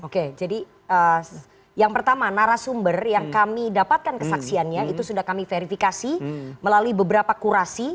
oke jadi yang pertama narasumber yang kami dapatkan kesaksiannya itu sudah kami verifikasi melalui beberapa kurasi